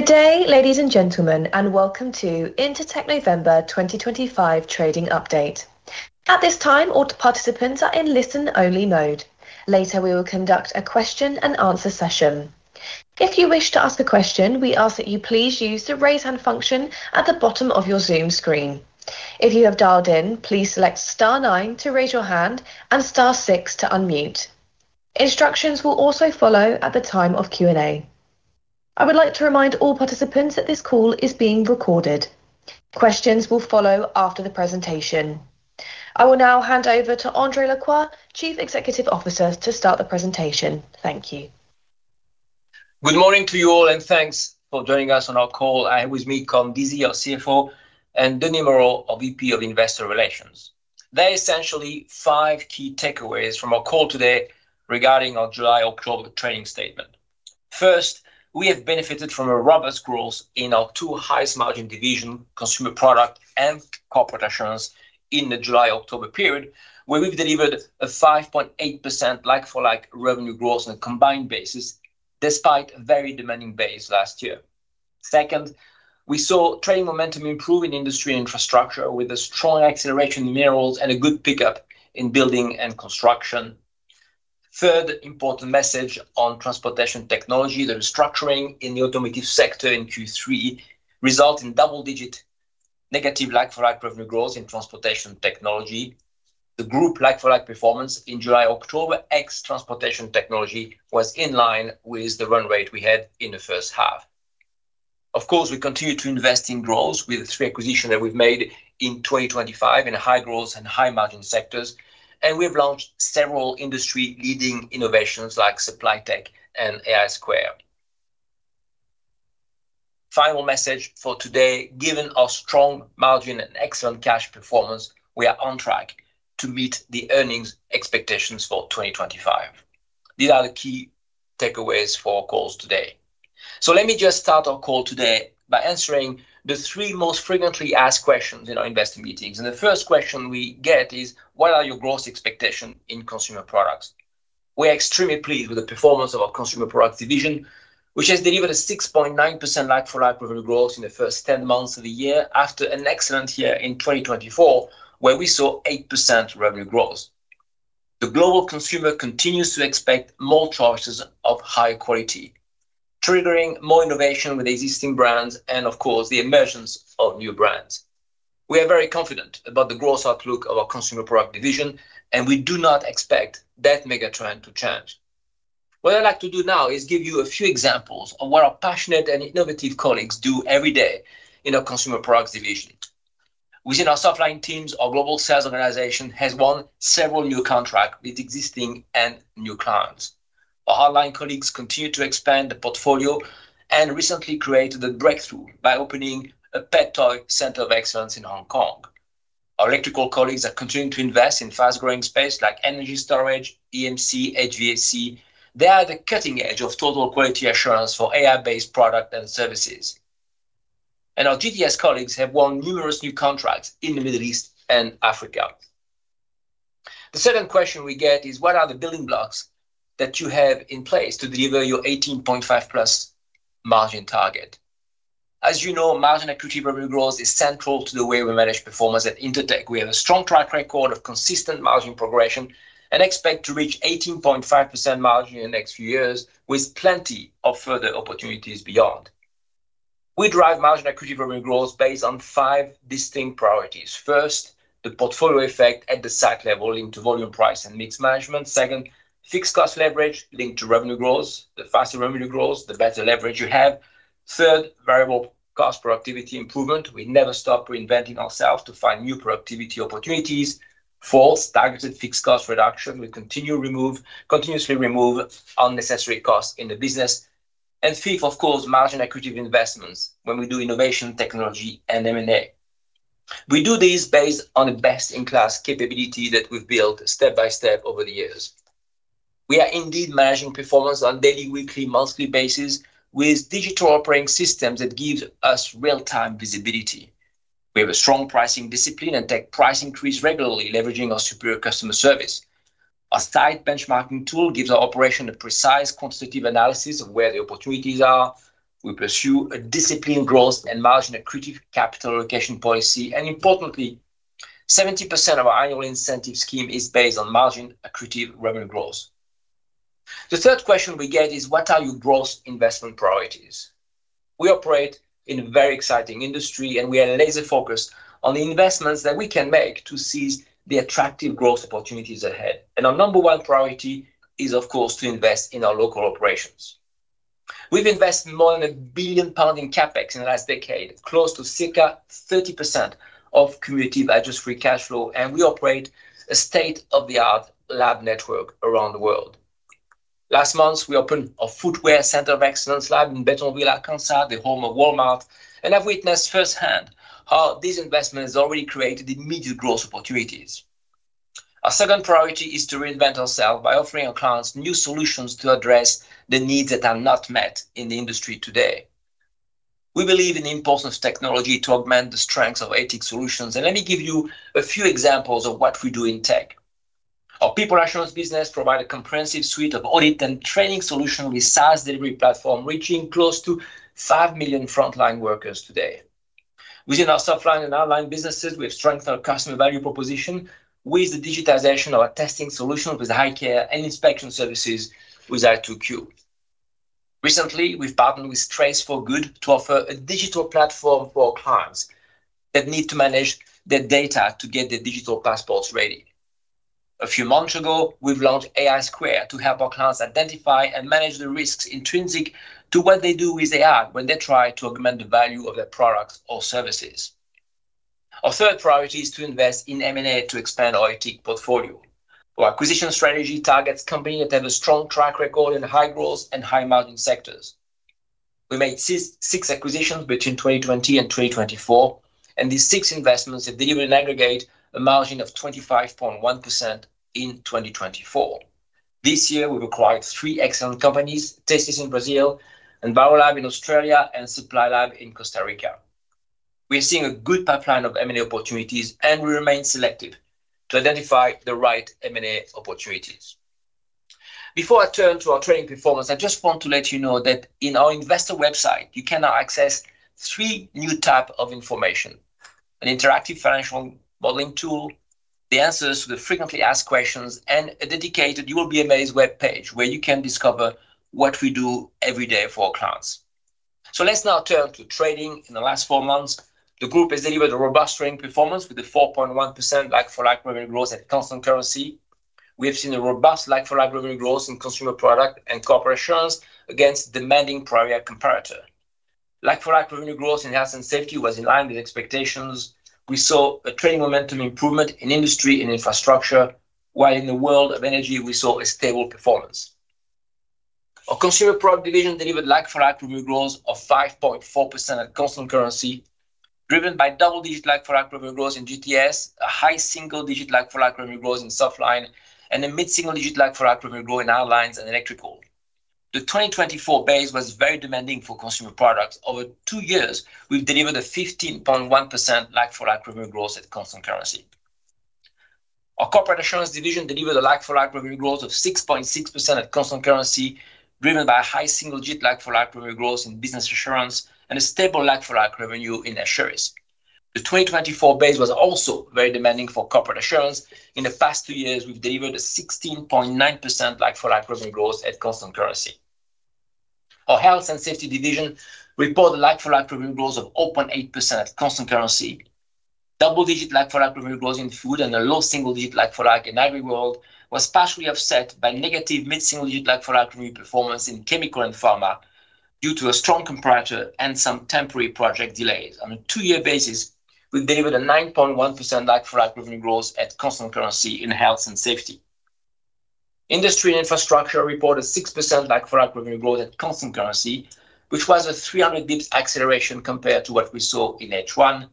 Good day, ladies and gentlemen, and welcome to Intertek November 2025 trading update. At this time, all participants are in listen-only mode. Later, we will conduct a question-and-answer session. If you wish to ask a question, we ask that you please use the raise-hand function at the bottom of your Zoom screen. If you have dialed in, please select star nine to raise your hand and star six to unmute. Instructions will also follow at the time of Q&A. I would like to remind all participants that this call is being recorded. Questions will follow after the presentation. I will now hand over to André Lacroix, Chief Executive Officer, to start the presentation. Thank you. Good morning to you all, and thanks for joining us on our call. I'm with me, Colm Deasy, our CFO, and Denis Moreau, our VP of Investor Relations. There are essentially five key takeaways from our call today regarding our July-October trading statement. First, we have benefited from a robust growth in our two highest-margin divisions, Consumer Products and Corporate Assurance, in the July-October period, where we've delivered a 5.8% like-for-like revenue growth on a combined basis, despite a very demanding base last year. Second, we saw trading momentum improve in Industry and Infrastructure, with a strong acceleration in Minerals and a good pickup in Building and Construction. Third, important message on Transportation Technology, the restructuring in the automotive sector in Q3 resulted in double-digit negative like-for-like revenue growth in Transportation Technology. The group like-for-like performance in July-October ex transportation technology was in line with the run rate we had in the first half. Of course, we continue to invest in growth with the three acquisitions that we've made in 2025 in high growth and high-margin sectors, and we have launched several industry-leading innovations like SupplyTech and AI Squared. Final message for today: given our strong margin and excellent cash performance, we are on track to meet the earnings expectations for 2025. These are the key takeaways for our calls today. Let me just start our call today by answering the three most frequently asked questions in our investor meetings. The first question we get is, what are your growth expectations in Consumer Products? We are extremely pleased with the performance of our Consumer Products division, which has delivered a 6.9% like-for-like revenue growth in the first 10 months of the year after an excellent year in 2024, where we saw 8% revenue growth. The global consumer continues to expect more choices of high quality, triggering more innovation with existing brands and, of course, the emergence of new brands. We are very confident about the growth outlook of our Consumer Products division, and we do not expect that mega trend to change. What I'd like to do now is give you a few examples of what our passionate and innovative colleagues do every day in our Consumer Products division. Within our softline teams, our global sales organization has won several new contracts with existing and new clients. Our hotline colleagues continue to expand the portfolio and recently created a breakthrough by opening a pet toy center of excellence in Hong Kong. Our electrical colleagues are continuing to invest in fast-growing space like energy storage, EMC, HVAC. They are at the cutting edge of total quality assurance for AI-based products and services. Our GTS colleagues have won numerous new contracts in the Middle East and Africa. The second question we get is, what are the building blocks that you have in place to deliver your 18.5+ % margin target? As you know, margin equity revenue growth is central to the way we manage performance at Intertek. We have a strong track record of consistent margin progression and expect to reach 18.5% margin in the next few years, with plenty of further opportunities beyond. We drive margin equity revenue growth based on five distinct priorities. First, the portfolio effect at the site level linked to volume, price, and mix management. Second, fixed cost leverage linked to revenue growth. The faster revenue grows, the better leverage you have. Third, variable cost productivity improvement. We never stop reinventing ourselves to find new productivity opportunities. Fourth, targeted fixed cost reduction. We continuously remove unnecessary costs in the business. Fifth, of course, margin equity investments when we do innovation, technology, and M&A. We do this based on the best-in-class capability that we have built step by step over the years. We are indeed managing performance on a daily, weekly, and monthly basis with digital operating systems that give us real-time visibility. We have a strong pricing discipline and take price increases regularly, leveraging our superior customer service. Our site benchmarking tool gives our operation a precise quantitative analysis of where the opportunities are. We pursue a disciplined growth and margin equity capital allocation policy. Importantly, 70% of our annual incentive scheme is based on margin equity revenue growth. The third question we get is, what are your growth investment priorities? We operate in a very exciting industry, and we are laser-focused on the investments that we can make to seize the attractive growth opportunities ahead. Our number one priority is, of course, to invest in our local operations. We've invested more than 1 billion pounds in CapEx in the last decade, close to circa 30% of cumulative adjusted free cash flow, and we operate a state-of-the-art lab network around the world. Last month, we opened our footwear center of excellence lab in Bentonville, Arkansas, the home of Walmart, and have witnessed firsthand how these investments have already created immediate growth opportunities. Our second priority is to reinvent ourselves by offering our clients new solutions to address the needs that are not met in the industry today. We believe in the importance of technology to augment the strengths of ATIC solutions. Let me give you a few examples of what we do in tech. Our people assurance business provides a comprehensive suite of audit and training solutions with a SaaS delivery platform reaching close to 5 million frontline workers today. Within our softline and online businesses, we have strengthened our customer value proposition with the digitization of our testing solutions with high care and inspection services with i2Q. Recently, we have partnered with Trace4Good to offer a digital platform for our clients that need to manage their data to get their digital passports ready. A few months ago, we've launched AI Squared to help our clients identify and manage the risks intrinsic to what they do with AI when they try to augment the value of their products or services. Our third priority is to invest in M&A to expand our ATIC portfolio. Our acquisition strategy targets companies that have a strong track record in high growth and high-margin sectors. We made six acquisitions between 2020 and 2024, and these six investments have delivered an aggregate margin of 25.1% in 2024. This year, we've acquired three excellent companies: TASIS in Brazil, EnviroLab in Australia, and SupliLab in Costa Rica. We are seeing a good pipeline of M&A opportunities, and we remain selective to identify the right M&A opportunities. Before I turn to our trading performance, I just want to let you know that in our investor website, you can now access three new types of information: an interactive financial modeling tool, the answers to the frequently asked questions, and a dedicated, you will be amazed web page where you can discover what we do every day for our clients. Let's now turn to trading in the last four months. The group has delivered a robust trading performance with a 4.1% like-for-like revenue growth at constant currency. We have seen a robust like-for-like revenue growth in Consumer Products and Corporate Assurance against a demanding prior year comparator. Like-for-like revenue growth in Health and Safety was in line with expectations. We saw a trade momentum improvement in Industry and Infrastructure, while in the World of Energy, we saw a stable performance. Our Consumer Products division delivered like-for-like revenue growth of 5.4% at constant currency, driven by double-digit like-for-like revenue growth in GTS, a high single-digit like-for-like revenue growth in Softline, and a mid-single-digit like-for-like revenue growth in our Lines and Electrical. The 2024 base was very demanding for Consumer Products. Over two years, we've delivered a 15.1% like-for-like revenue growth at constant currency. Our Corporate Assurance division delivered a like-for-like revenue growth of 6.6% at constant currency, driven by a high single-digit like-for-like revenue growth in Business Assurance and a stable like-for-like revenue in Assurance. The 2024 base was also very demanding for Corporate Assurance. In the past two years, we've delivered a 16.9% like-for-like revenue growth at constant currency. Our Health and Safety division reported a like-for-like revenue growth of 0.8% at constant currency. Double-digit like-for-like revenue growth in food and a low single-digit like-for-like in agri world was partially offset by negative mid-single-digit like-for-like revenue performance in chemical and pharma due to a strong comparator and some temporary project delays. On a two-year basis, we delivered a 9.1% like-for-like revenue growth at constant currency in health and safety. Industry and infrastructure reported a 6% like-for-like revenue growth at constant currency, which was a 300 basis points acceleration compared to what we saw in H1,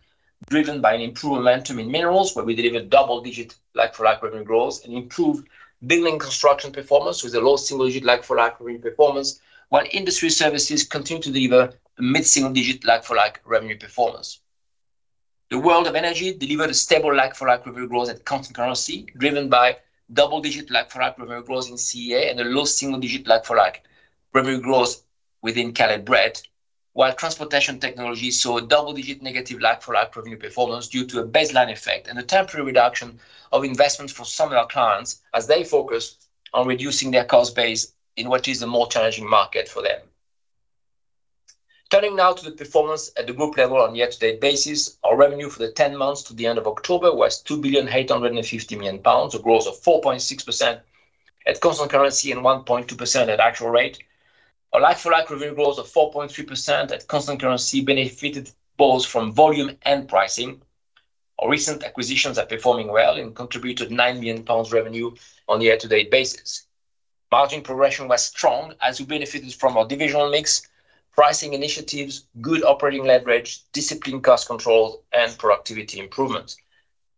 driven by an improved momentum in minerals, where we delivered double-digit like-for-like revenue growth and improved building construction performance with a low single-digit like-for-like revenue performance, while industry services continued to deliver a mid-single-digit like-for-like revenue performance. The World of Energy delivered a stable like-for-like revenue growth at constant currency, driven by double-digit like-for-like revenue growth in CEA and a low single-digit like-for-like revenue growth within Clean Energy Associates, while transportation technology saw a double-digit negative like-for-like revenue performance due to a baseline effect and a temporary reduction of investments for some of our clients as they focus on reducing their cost base in what is the more challenging market for them. Turning now to the performance at the group level on a year-to-date basis, our revenue for the 10 months to the end of October was 2,850,000 pounds, a growth of 4.6% at constant currency and 1.2% at actual rate. Our like-for-like revenue growth of 4.3% at constant currency benefited both from volume and pricing. Our recent acquisitions are performing well and contributed 9 million pounds revenue on a year-to-date basis. Margin progression was strong as we benefited from our divisional mix, pricing initiatives, good operating leverage, disciplined cost controls, and productivity improvements.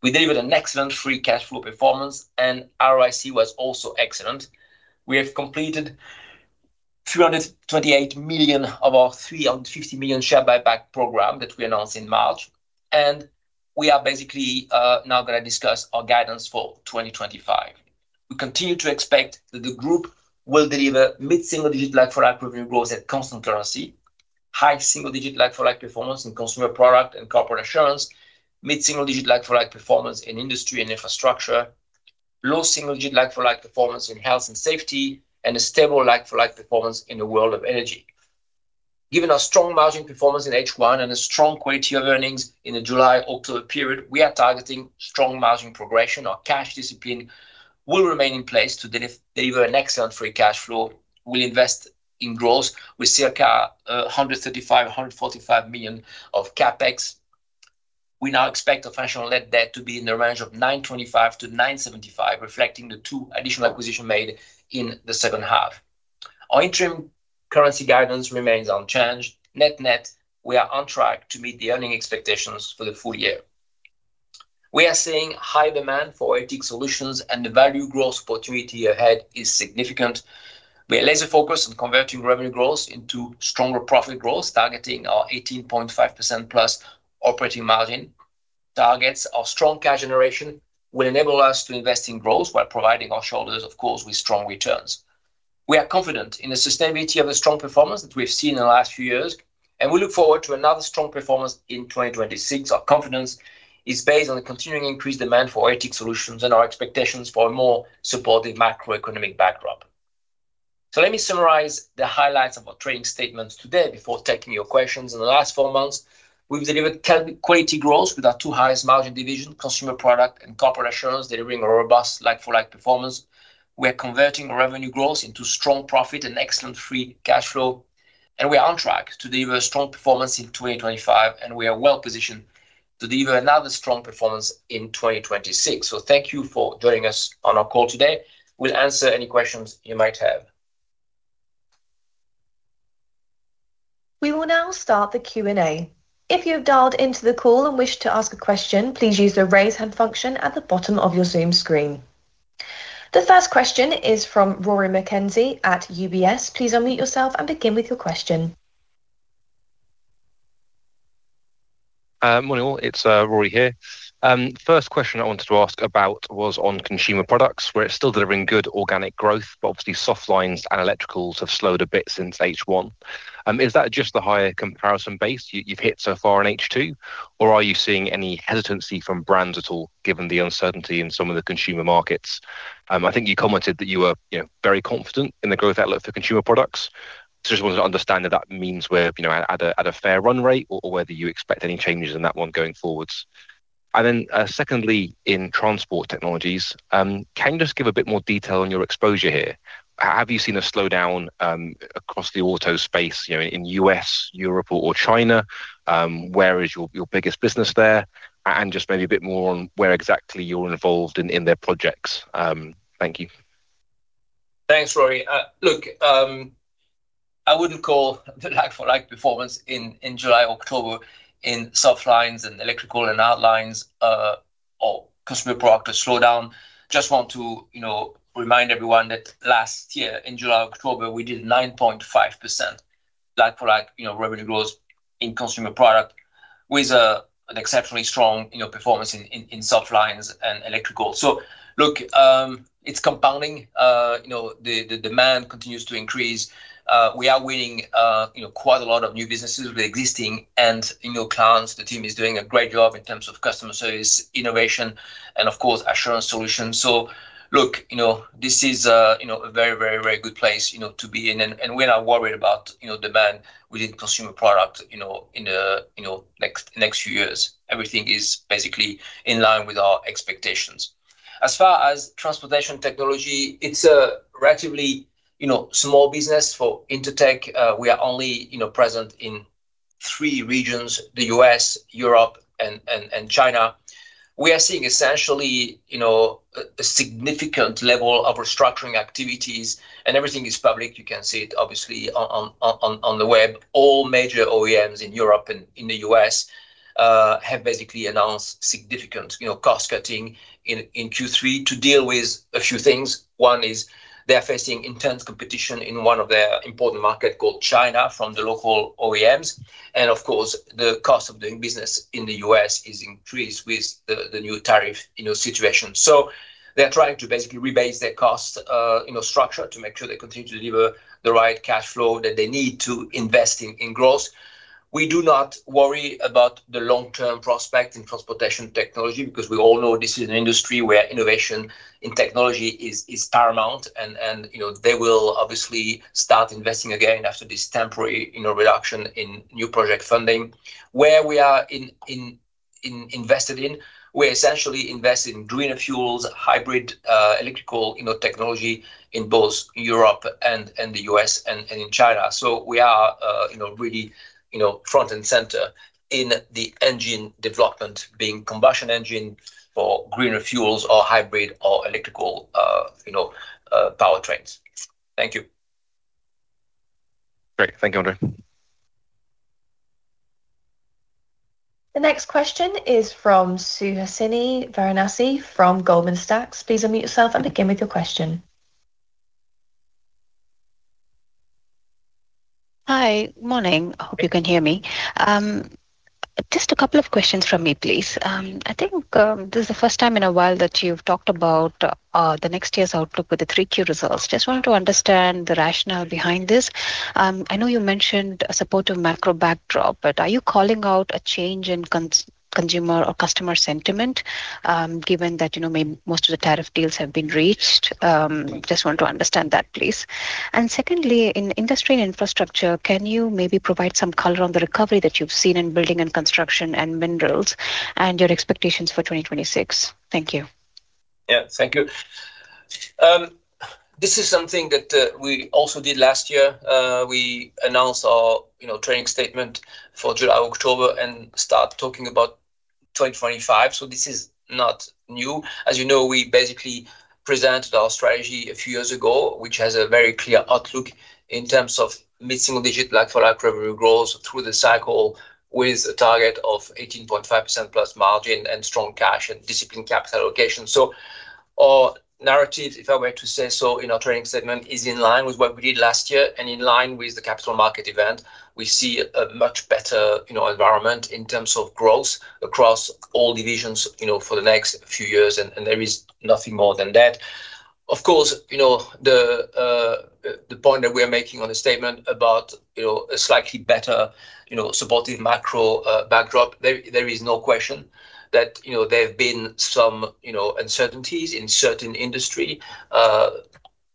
We delivered an excellent free cash flow performance, and ROIC was also excellent. We have completed 328 million of our 350 million share buyback program that we announced in March, and we are basically now going to discuss our guidance for 2025. We continue to expect that the group will deliver mid-single-digit like-for-like revenue growth at constant currency, high single-digit like-for-like performance in Consumer Products and Corporate Assurance, mid-single-digit like-for-like performance in Industry and Infrastructure, low single-digit like-for-like performance in Health and Safety, and a stable like-for-like performance in the World of Energy. Given our strong margin performance in H1 and a strong quarter of earnings in the July-October period, we are targeting strong margin progression. Our cash discipline will remain in place to deliver an excellent free cash flow. We'll invest in growth with circa 135 million-145 million of CapEx. We now expect our financial net debt to be in the range of 925 million-975 million, reflecting the two additional acquisitions made in the second half. Our interim currency guidance remains unchanged. Net net, we are on track to meet the earnings expectations for the full year. We are seeing high demand for ATIC solutions, and the value growth opportunity ahead is significant. We are laser-focused on converting revenue growth into stronger profit growth, targeting our 18.5%+ operating margin targets. Our strong cash generation will enable us to invest in growth while providing our shareholders, of course, with strong returns. We are confident in the sustainability of the strong performance that we've seen in the last few years, and we look forward to another strong performance in 2026. Our confidence is based on the continuing increased demand for ATIC solutions and our expectations for a more supportive macroeconomic backdrop. Let me summarize the highlights of our trading statements today before taking your questions. In the last four months, we've delivered quality growth with our two highest margin divisions, Consumer Products and Corporate Assurance, delivering a robust like-for-like performance. We are converting revenue growth into strong profit and excellent free cash flow, and we are on track to deliver strong performance in 2025, and we are well positioned to deliver another strong performance in 2026. Thank you for joining us on our call today. We'll answer any questions you might have. We will now start the Q&A. If you have dialed into the call and wish to ask a question, please use the raise hand function at the bottom of your Zoom screen. The first question is from Rory McKenzie at UBS. Please unmute yourself and begin with your question. Morning all. It's Rory here. First question I wanted to ask about was on Consumer Products, where it's still delivering good organic growth, but obviously softlines and electricals have slowed a bit since H1. Is that just the higher comparison base you've hit so far in H2, or are you seeing any hesitancy from brands at all, given the uncertainty in some of the consumer markets? I think you commented that you were very confident in the growth outlook for Consumer Products. I just wanted to understand if that means we're at a fair run rate or whether you expect any changes in that one going forwards. Secondly, in transport technologies, can you just give a bit more detail on your exposure here? Have you seen a slowdown across the auto space in the U.S., Europe, or China? Where is your biggest business there? Maybe a bit more on where exactly you're involved in their projects. Thank you. Thanks, Rory. Look, I wouldn't call the like-for-like performance in July-October in softlines and electrical and outlines or consumer product a slowdown. I just want to remind everyone that last year in July-October, we did 9.5% like-for-like revenue growth in consumer product with an exceptionally strong performance in softlines and electricals. Look, it's compounding. The demand continues to increase. We are winning quite a lot of new business with existing and new clients. The team is doing a great job in terms of customer service, innovation, and of course, assurance solutions. This is a very, very, very good place to be in, and we're not worried about demand within Consumer Products in the next few years. Everything is basically in line with our expectations. As far as transportation technology, it's a relatively small business for Intertek. We are only present in three regions: the U.S., Europe, and China. We are seeing essentially a significant level of restructuring activities, and everything is public. You can see it obviously on the web. All major OEMs in Europe and in the U.S. have basically announced significant cost cutting in Q3 to deal with a few things. One is they are facing intense competition in one of their important markets called China from the local OEMs. Of course, the cost of doing business in the U.S. is increased with the new tariff situation. They are trying to basically rebase their cost structure to make sure they continue to deliver the right cash flow that they need to invest in growth. We do not worry about the long-term prospect in transportation technology because we all know this is an industry where innovation in technology is paramount, and they will obviously start investing again after this temporary reduction in new project funding. Where we are invested in, we essentially invest in greener fuels, hybrid electrical technology in both Europe and the U.S. and in China. We are really front and center in the engine development, being combustion engine for greener fuels or hybrid or electrical powertrains. Thank you. Great. Thank you, André. The next question is from Suhasini Varanasi from Goldman Sachs. Please unmute yourself and begin with your question. Hi. Good morning. I hope you can hear me. Just a couple of questions from me, please. I think this is the first time in a while that you've talked about the next year's outlook with the three-year results. Just wanted to understand the rationale behind this. I know you mentioned a supportive macro backdrop, but are you calling out a change in consumer or customer sentiment given that most of the tariff deals have been reached? Just want to understand that, please. Secondly, in Industry and Infrastructure, can you maybe provide some color on the recovery that you've seen in building and construction and minerals and your expectations for 2026? Thank you. Yeah. Thank you. This is something that we also did last year. We announced our trading statement for July-October and started talking about 2025. This is not new. As you know, we basically presented our strategy a few years ago, which has a very clear outlook in terms of mid-single-digit like-for-like revenue growth through the cycle with a target of 18.5%+ margin and strong cash and disciplined capital allocation. Our narrative, if I were to say so, in our trading statement is in line with what we did last year and in line with the capital market event. We see a much better environment in terms of growth across all divisions for the next few years, and there is nothing more than that. Of course, the point that we are making on the statement about a slightly better supportive macro backdrop, there is no question that there have been some uncertainties in certain industry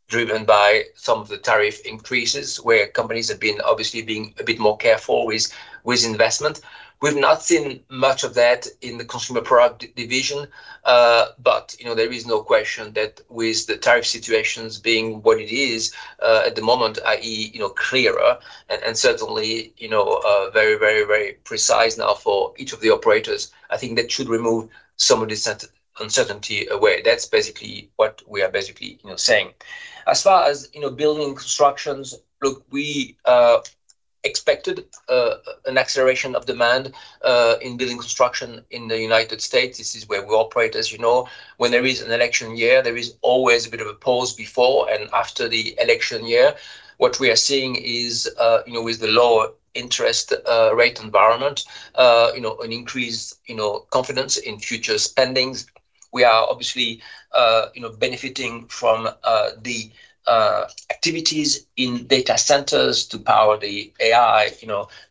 driven by some of the tariff increases where companies have been obviously being a bit more careful with investment. We've not seen much of that in the Consumer Products division, but there is no question that with the tariff situations being what it is at the moment, i.e., clearer and certainly very, very, very precise now for each of the operators, I think that should remove some of this uncertainty away. That's basically what we are basically saying. As far as Building Construction, look, we expected an acceleration of demand in Building Construction in the United States. This is where we operate, as you know. When there is an election year, there is always a bit of a pause before and after the election year. What we are seeing is with the lower interest rate environment, an increased confidence in future spendings. We are obviously benefiting from the activities in data centers to power the AI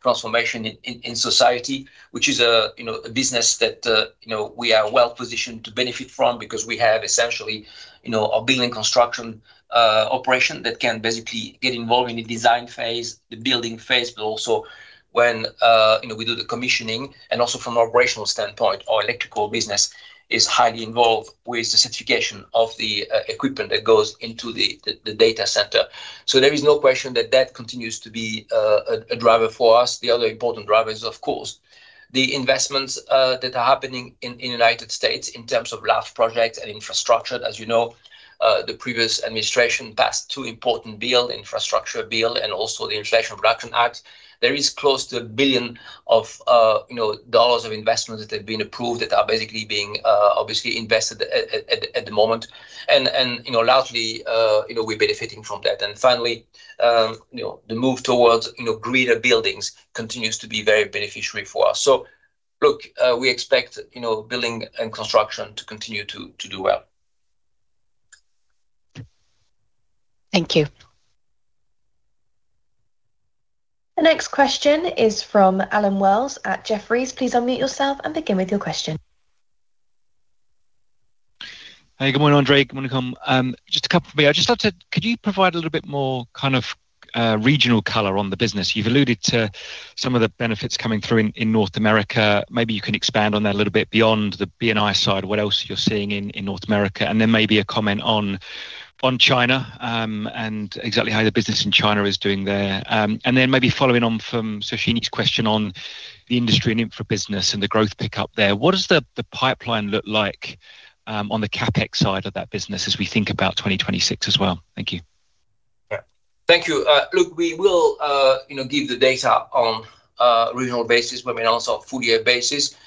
transformation in society, which is a business that we are well positioned to benefit from because we have essentially a building construction operation that can basically get involved in the design phase, the building phase, but also when we do the commissioning. Also from an operational standpoint, our electrical business is highly involved with the certification of the equipment that goes into the data center. There is no question that that continues to be a driver for us. The other important driver is, of course, the investments that are happening in the United States in terms of large projects and infrastructure. As you know, the previous administration passed two important bills, the Infrastructure Bill and also the Inflation Reduction Act. There is close to $1 billion of investment that have been approved that are basically being obviously invested at the moment. Largely, we're benefiting from that. Finally, the move towards greener buildings continues to be very beneficiary for us. We expect building and construction to continue to do well. Thank you. The next question is from Allen Wells at Jefferies. Please unmute yourself and begin with your question. Hey, good morning, André. Good morning, Tom. Just a couple for me. I just thought, could you provide a little bit more kind of regional color on the business? You've alluded to some of the benefits coming through in North America. Maybe you can expand on that a little bit beyond the B&I side, what else you're seeing in North America. Maybe a comment on China and exactly how the business in China is doing there. Maybe following on from Suhasini's question on the industry and infra business and the growth pickup there, what does the pipeline look like on the CapEx side of that business as we think about 2026 as well? Thank you. Thank you. Look, we will give the data on a regional basis, but I mean also a full-year basis,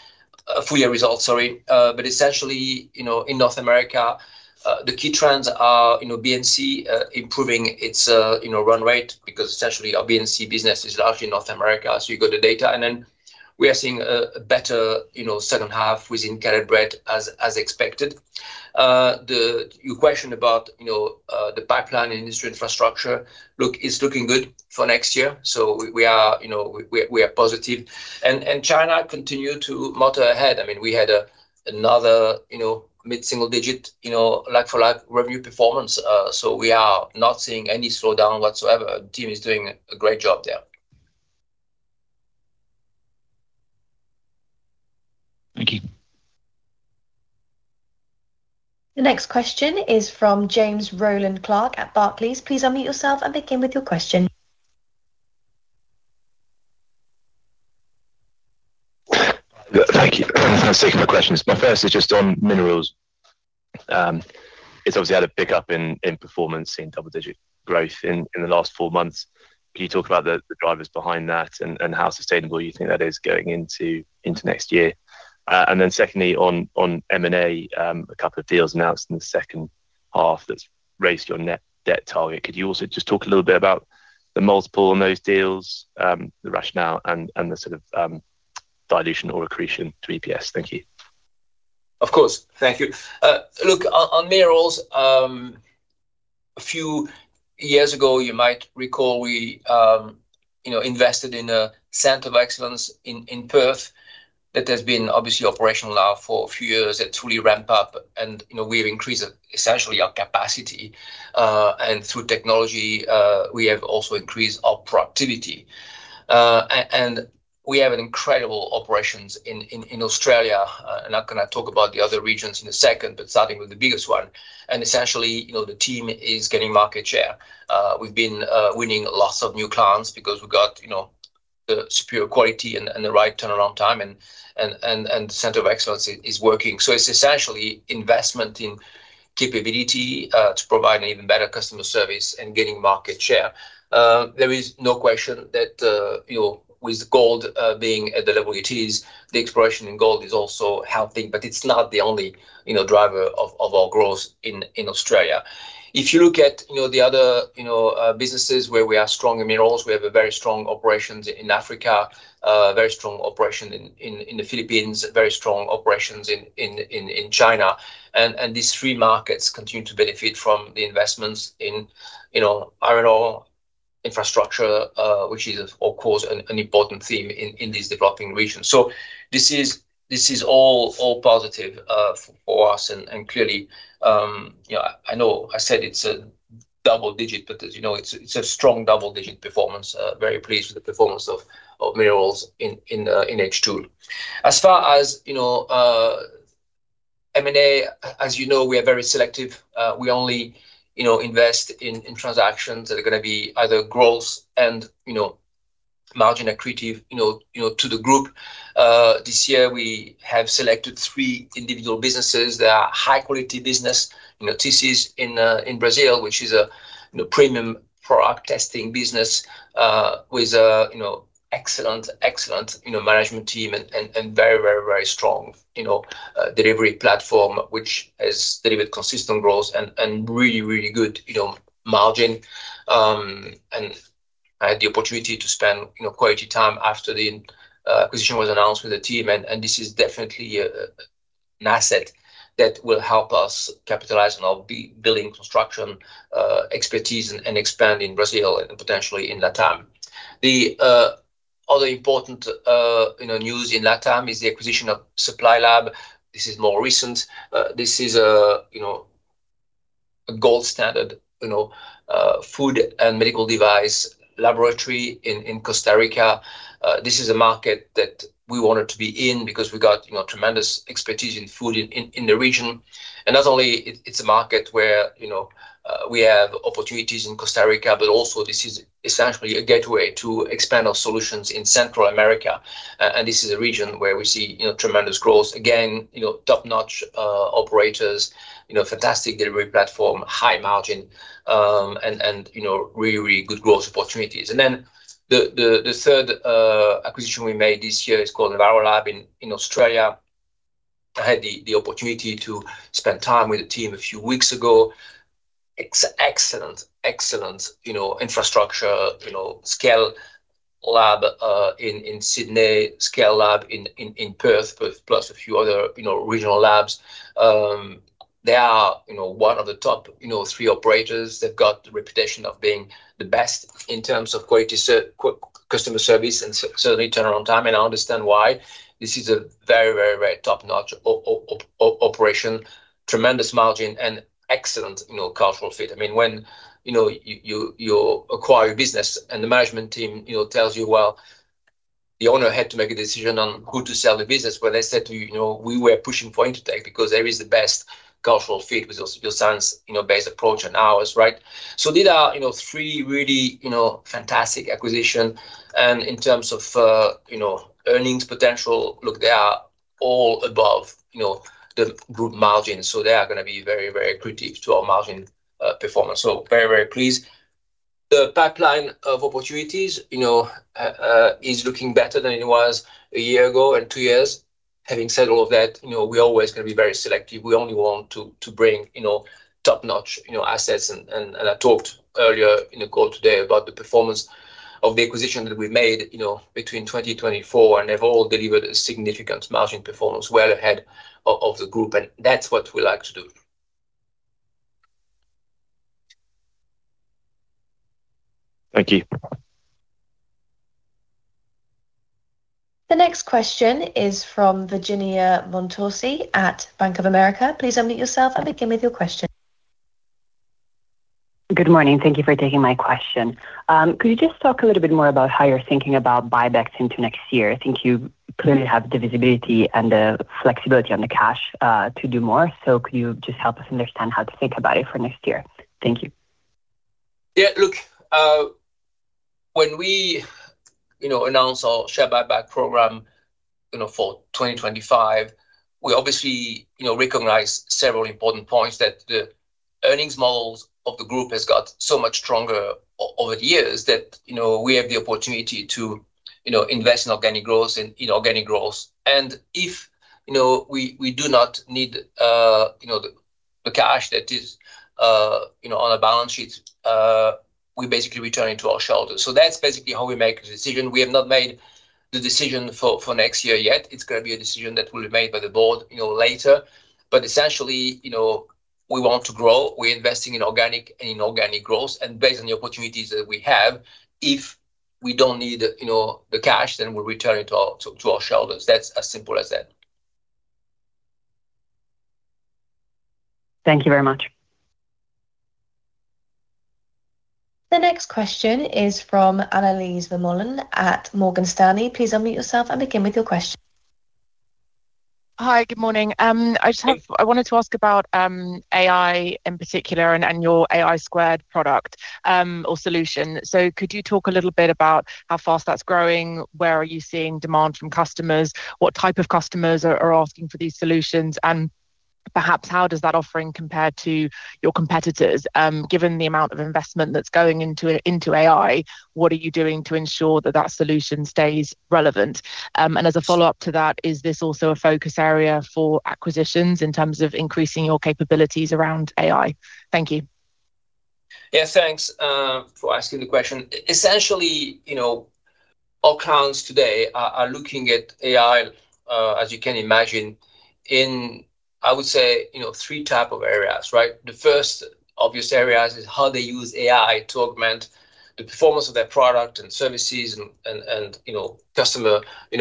full-year results, sorry. Essentially, in North America, the key trends are BNC improving its run rate because essentially our BNC business is largely in North America. You got the data. We are seeing a better second half within credit breadth as expected. Your question about the pipeline and industry infrastructure, look, it's looking good for next year. We are positive. China continued to motor ahead. I mean, we had another mid-single-digit like-for-like revenue performance. We are not seeing any slowdown whatsoever. The team is doing a great job there. Thank you. The next question is from James Rowland Clark at Barclays. Please unmute yourself and begin with your question. Thank you. Second, my question is, my first is just on minerals. It has obviously had a pickup in performance in double-digit growth in the last four months. Can you talk about the drivers behind that and how sustainable you think that is going into next year? Then secondly, on M&A, a couple of deals announced in the second half that has raised your net debt target. Could you also just talk a little bit about the multiple on those deals, the rationale, and the sort of dilution or accretion to EPS? Thank you. Of course. Thank you. Look, on minerals, a few years ago, you might recall we invested in a center of excellence in Perth that has been obviously operational now for a few years at truly ramp-up. We have increased essentially our capacity. Through technology, we have also increased our productivity. We have an incredible operations in Australia. I am not going to talk about the other regions in a second, but starting with the biggest one. Essentially, the team is getting market share. We have been winning lots of new clients because we have got the superior quality and the right turnaround time, and the center of excellence is working. It is essentially investment in capability to provide an even better customer service and getting market share. There is no question that with gold being at the level it is, the exploration in gold is also helping, but it's not the only driver of our growth in Australia. If you look at the other businesses where we are strong in minerals, we have very strong operations in Africa, a very strong operation in the Philippines, very strong operations in China. These three markets continue to benefit from the investments in iron ore infrastructure, which is, of course, an important theme in these developing regions. This is all positive for us. Clearly, I know I said it's a double-digit, but as you know, it's a strong double-digit performance. Very pleased with the performance of minerals in H2. As far as M&A, as you know, we are very selective. We only invest in transactions that are going to be either growth and margin accretive to the group. This year, we have selected three individual businesses that are high-quality business. This is in Brazil, which is a premium product testing business with an excellent management team and very, very strong delivery platform, which has delivered consistent growth and really, really good margin. I had the opportunity to spend quality time after the acquisition was announced with the team. This is definitely an asset that will help us capitalize on our building construction expertise and expand in Brazil and potentially in Latam. The other important news in Latam is the acquisition of SupliLab. This is more recent. This is a gold-standard food and medical device laboratory in Costa Rica. This is a market that we wanted to be in because we got tremendous expertise in food in the region. Not only is it a market where we have opportunities in Costa Rica, but also this is essentially a gateway to expand our solutions in Central America. This is a region where we see tremendous growth. Again, top-notch operators, fantastic delivery platform, high margin, and really, really good growth opportunities. The third acquisition we made this year is called EnviroLab in Australia. I had the opportunity to spend time with the team a few weeks ago. Excellent, excellent infrastructure, scale lab in Sydney, scale lab in Perth, plus a few other regional labs. They are one of the top three operators. They have the reputation of being the best in terms of quality, customer service, and certainly turnaround time. I understand why. This is a very, very, very top-notch operation, tremendous margin, and excellent cultural fit. I mean, when you acquire a business and the management team tells you, "The owner had to make a decision on who to sell the business," where they said to you, "We were pushing for Intertek because there is the best cultural fit with your science-based approach and ours," right? These are three really fantastic acquisitions. In terms of earnings potential, look, they are all above the group margin. They are going to be very, very critical to our margin performance. Very, very pleased. The pipeline of opportunities is looking better than it was a year ago and two years. Having said all of that, we're always going to be very selective. We only want to bring top-notch assets. I talked earlier in the call today about the performance of the acquisition that we made between 2024, and they have all delivered a significant margin performance well ahead of the group. That is what we like to do. Thank you. The next question is from Virginia Montorsi at Bank of America. Please unmute yourself and begin with your question. Good morning. Thank you for taking my question. Could you just talk a little bit more about how you are thinking about buybacks into next year? I think you clearly have the visibility and the flexibility on the cash to do more. Could you just help us understand how to think about it for next year? Thank you. Yeah. Look, when we announced our share buyback program for 2025, we obviously recognized several important points that the earnings models of the group have got so much stronger over the years that we have the opportunity to invest in organic growth and organic growth. If we do not need the cash that is on a balance sheet, we basically return it to our shareholder. That is basically how we make the decision. We have not made the decision for next year yet. It is going to be a decision that will be made by the board later. Essentially, we want to grow. We are investing in organic and inorganic growth. Based on the opportunities that we have, if we do not need the cash, then we will return it to our shareholders. That is as simple as that. Thank you very much. The next question is from Annelies Vermeulen at Morgan Stanley. Please unmute yourself and begin with your question. Hi, good morning. I wanted to ask about AI in particular and your AI Squared product or solution. Could you talk a little bit about how fast that's growing? Where are you seeing demand from customers? What type of customers are asking for these solutions? Perhaps how does that offering compare to your competitors? Given the amount of investment that's going into AI, what are you doing to ensure that that solution stays relevant? As a follow-up to that, is this also a focus area for acquisitions in terms of increasing your capabilities around AI? Thank you. Yeah, thanks for asking the question. Essentially, our clients today are looking at AI, as you can imagine, in, I would say, three types of areas, right? The first obvious area is how they use AI to augment the performance of their product and services and customer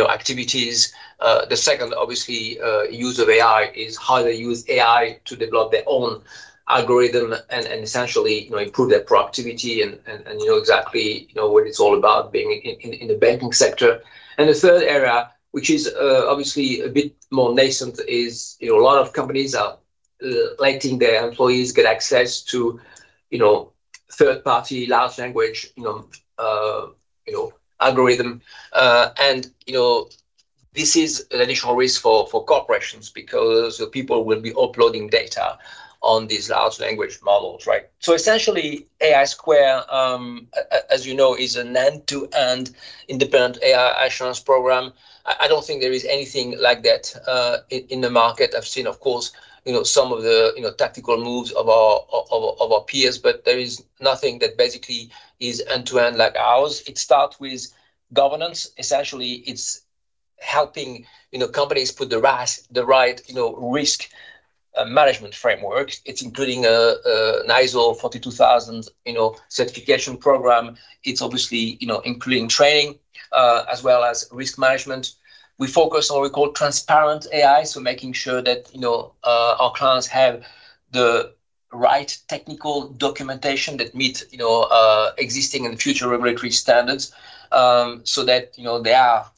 activities. The second, obviously, use of AI is how they use AI to develop their own algorithm and essentially improve their productivity. You know exactly what it's all about being in the banking sector. The third area, which is obviously a bit more nascent, is a lot of companies are letting their employees get access to third-party large language algorithm. This is an additional risk for corporations because people will be uploading data on these large language models, right? Essentially, AI Squared, as you know, is an end-to-end independent AI assurance program. I do not think there is anything like that in the market. I have seen, of course, some of the tactical moves of our peers, but there is nothing that basically is end-to-end like ours. It starts with governance. Essentially, it's helping companies put the right risk management framework. It's including an ISO 42000 certification program. It's obviously including training as well as risk management. We focus on what we call transparent AI, so making sure that our clients have the right technical documentation that meets existing and future regulatory standards so that they are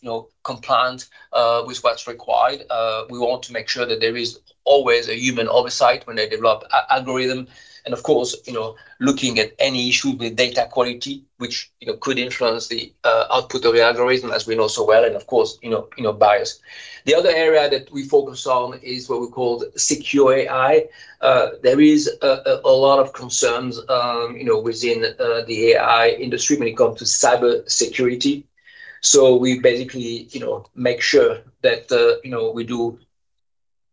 compliant with what's required. We want to make sure that there is always a human oversight when they develop algorithm. Of course, looking at any issues with data quality, which could influence the output of the algorithm, as we know so well, and of course, bias. The other area that we focus on is what we call secure AI. There is a lot of concerns within the AI industry when it comes to cybersecurity. We basically make sure that we do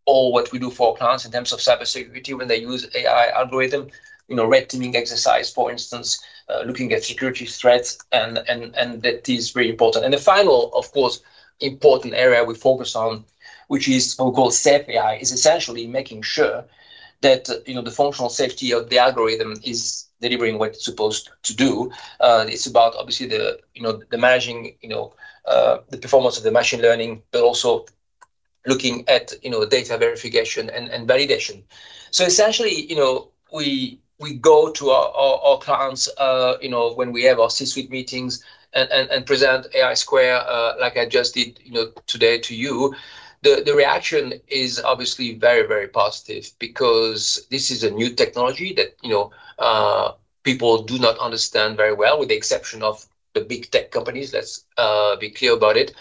all what we do for our clients in terms of cybersecurity when they use AI algorithm, red teaming exercise, for instance, looking at security threats, and that is very important. The final, of course, important area we focus on, which is what we call safe AI, is essentially making sure that the functional safety of the algorithm is delivering what it's supposed to do. It's about, obviously, managing the performance of the machine learning, but also looking at data verification and validation. Essentially, we go to our clients when we have our C-suite meetings and present AI Squared, like I just did today to you. The reaction is obviously very, very positive because this is a new technology that people do not understand very well, with the exception of the big tech companies. Let's be clear about it.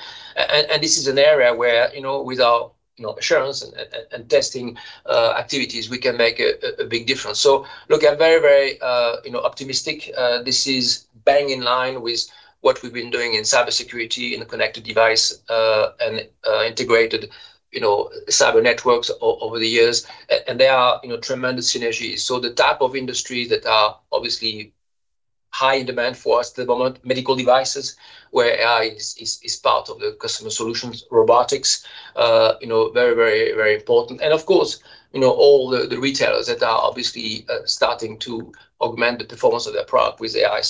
This is an area where, with our assurance and testing activities, we can make a big difference. Look, I am very, very optimistic. This is bang in line with what we have been doing in cybersecurity and connected device and integrated cyber networks over the years. There are tremendous synergies. The type of industries that are obviously high in demand for us at the moment, medical devices, where AI is part of the customer solutions, robotics, very, very, very important. Of course, all the retailers that are obviously starting to augment the performance of their product with AI.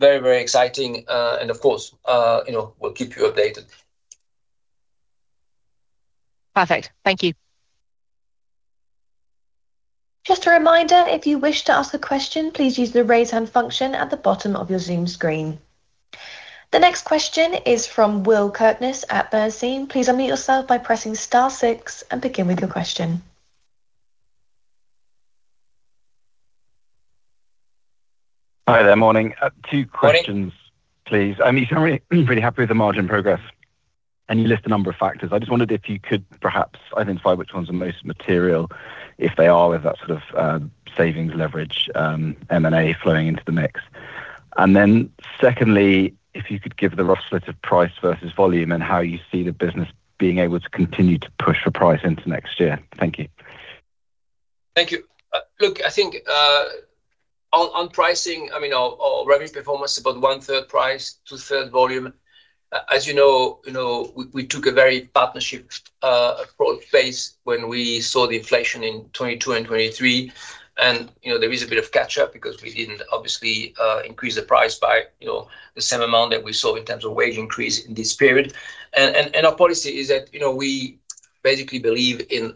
Very, very exciting. Of course, we will keep you updated. Perfect. Thank you. Just a reminder, if you wish to ask a question, please use the raise hand function at the bottom of your Zoom screen. The next question is from Will Kirkness at Bernstein. Please unmute yourself by pressing star six and begin with your question. Hi, there morning. Two questions, please. I'm really happy with the margin progress. You list a number of factors. I just wondered if you could perhaps identify which ones are most material, if they are, with that sort of savings leverage, M&A flowing into the mix. Secondly, if you could give the rough split of price versus volume and how you see the business being able to continue to push for price into next year. Thank you. Thank you. Look, I think on pricing, I mean, our revenue performance is about one-third price, two-thirds volume. As you know, we took a very partnership approach base when we saw the inflation in 2022 and 2023. There is a bit of catch-up because we did not obviously increase the price by the same amount that we saw in terms of wage increase in this period. Our policy is that we basically believe in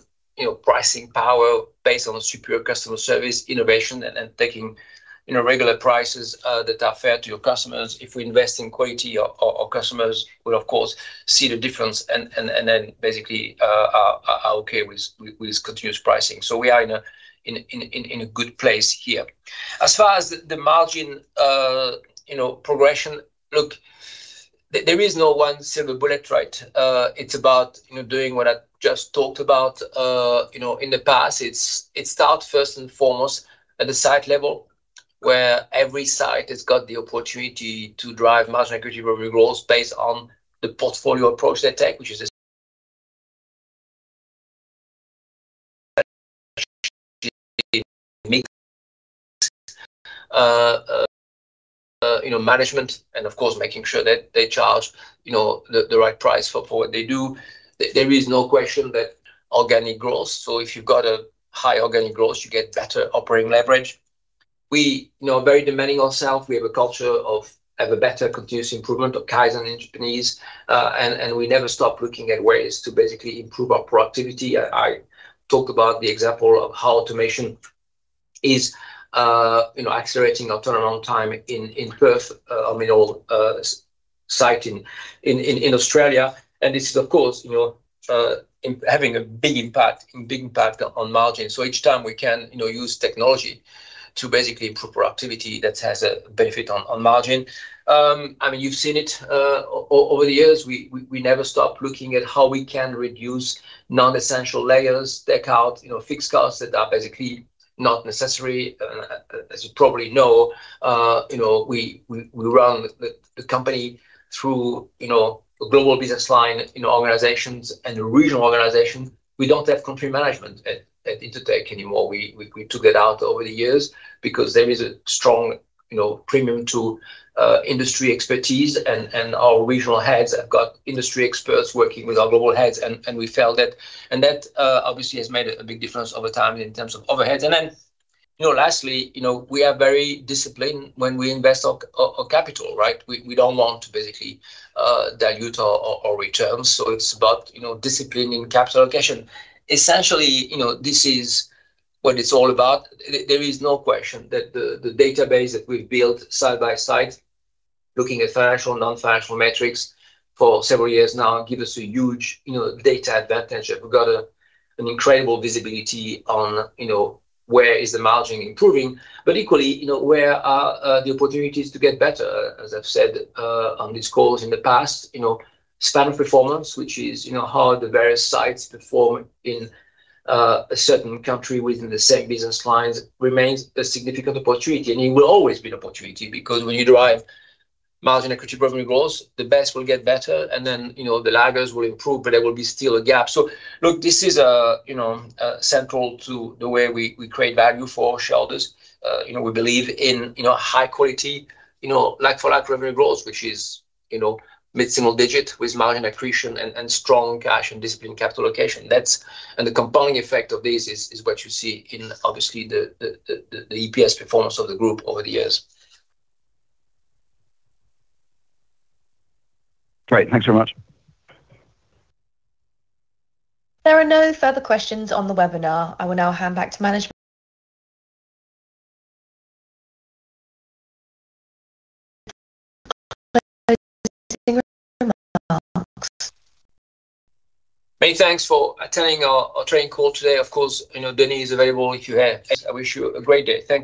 pricing power based on superior customer service, innovation, and taking regular prices that are fair to your customers. If we invest in quality, our customers will, of course, see the difference and then basically are okay with continuous pricing. We are in a good place here. As far as the margin progression, look, there is no one silver bullet, right? It is about doing what I just talked about in the past. It starts first and foremost at the site level, where every site has got the opportunity to drive margin, equity, revenue growth based on the portfolio approach they take, which is management and, of course, making sure that they charge the right price for what they do. There is no question that organic growth. If you've got a high organic growth, you get better operating leverage. We are very demanding ourselves. We have a culture of better continuous improvement of Kaizen and Japanese. We never stop looking at ways to basically improve our productivity. I talked about the example of how automation is accelerating our turnaround time in Perth, our minerals site in Australia. This is, of course, having a big impact on margin. Each time we can use technology to basically improve productivity, that has a benefit on margin. I mean, you've seen it over the years. We never stop looking at how we can reduce non-essential layers, deck out fixed costs that are basically not necessary. As you probably know, we run the company through a global business line, organizations, and a regional organization. We do not have country management at Intertek anymore. We took that out over the years because there is a strong premium to industry expertise. Our regional heads have got industry experts working with our global heads. We felt that. That obviously has made a big difference over time in terms of overheads. Lastly, we are very disciplined when we invest our capital, right? We do not want to basically dilute our returns. It is about disciplining capital allocation. Essentially, this is what it is all about. There is no question that the database that we've built side by side, looking at financial, non-financial metrics for several years now, gives us a huge data advantage. We've got incredible visibility on where is the margin improving. Equally, where are the opportunities to get better? As I've said on this call in the past, span of performance, which is how the various sites perform in a certain country within the same business lines, remains a significant opportunity. It will always be an opportunity because when you drive margin equity revenue growth, the best will get better. The laggards will improve, but there will be still a gap. Look, this is central to the way we create value for our shareholders. We believe in high-quality like-for-like revenue growth, which is mid-single digit with margin accretion and strong cash and disciplined capital allocation. The compelling effect of this is what you see in, obviously, the EPS performance of the group over the years. Great. Thanks very much. There are no further questions on the webinar. I will now hand back to management. Many thanks for attending our training call today. Of course, Denis is available if you have. I wish you a great day. Thank you.